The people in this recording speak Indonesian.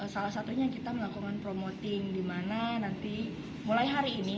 salah satunya kita melakukan promoting di mana nanti mulai hari ini